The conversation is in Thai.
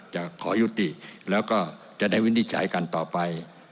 จะขอยุติแล้วก็จะได้วินิจฉัยกันต่อไป